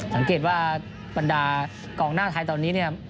สังเกตว่าบรรดากองหน้าไทยตอนนี้เนี่ย